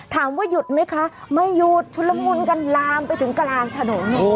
ถามว่าหยุดไหมคะไม่หยุดชุนละมุนกันลามไปถึงกลางถนน